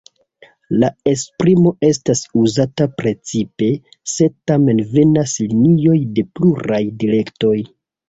La esprimo estas uzata precipe, se tamen venas linioj de pluraj direktoj.